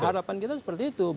harapan kita seperti itu